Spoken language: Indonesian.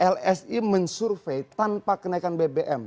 lsi mensurvey tanpa kenaikan bbm